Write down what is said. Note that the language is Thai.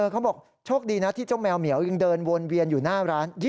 เขาบอกโชคดีนะที่เจ้าแมวเหมียวยังเดินวนเวียนอยู่หน้าร้าน